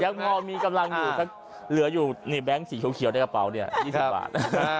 ยังพอมีกำลังอยู่สักเหลืออยู่นี่แบงค์สีเขียวในกระเป๋าเนี่ย๒๐บาท